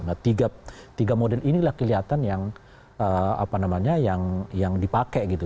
nah tiga model inilah kelihatan yang dipakai gitu